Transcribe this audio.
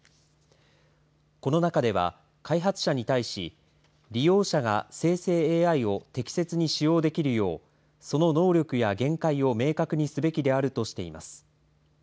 この中では、開発者に対し利用者が生成ＡＩを適切に使用できるようその能力や限界を明確にすべきであるとしています。